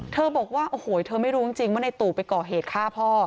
บอกว่าโอ้โหเธอไม่รู้จริงว่าในตู่ไปก่อเหตุฆ่าพ่อ